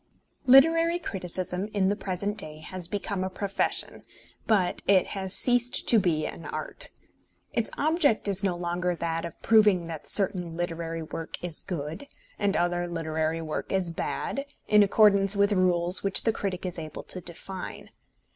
Literary criticism in the present day has become a profession, but it has ceased to be an art. Its object is no longer that of proving that certain literary work is good and other literary work is bad, in accordance with rules which the critic is able to define.